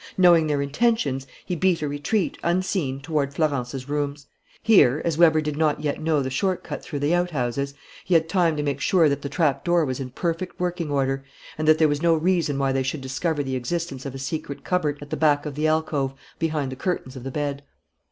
Knowing their intentions, he beat a retreat, unseen, toward Florence's rooms. Here, as Weber did not yet know the short cut through the outhouses, he had time to make sure that the trapdoor was in perfect working order, and that there was no reason why they should discover the existence of a secret cupboard at the back of the alcove, behind the curtains of the bed.